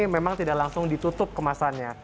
memang tidak langsung ditutup kemasannya